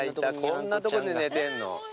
こんなとこで寝てんの？